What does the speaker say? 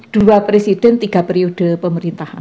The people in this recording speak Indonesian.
dua presiden tiga periode pemerintahan